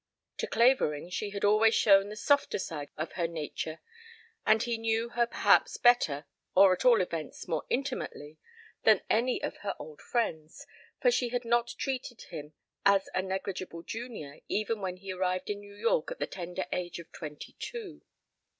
To Clavering she had always shown the softer side of her nature and he knew her perhaps better, or at all events more intimately, than any of her old friends, for she had not treated him as a negligible junior even when he arrived in New York at the tender age of twenty two.